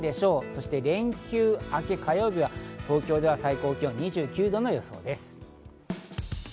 そして連休明け、火曜日は東京では最高気温２９度の予想です。